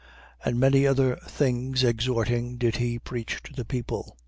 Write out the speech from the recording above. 3:18. And many other things exhorting did he preach to the people.